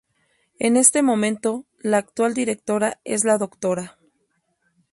En este momento la actual directora es la Dra.